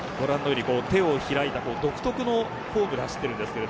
手を開いた独特のフォームで走っています。